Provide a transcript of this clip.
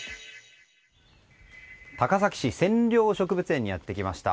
高崎市染料植物園にやってきました。